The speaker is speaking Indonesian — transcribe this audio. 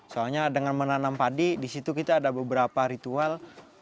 soalnya dengan menanam padi di situ kita ada beberapa ritual